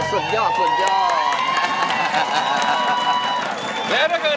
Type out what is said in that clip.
ร้องได้ให้ร้าน